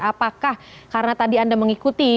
apakah karena tadi anda mengikuti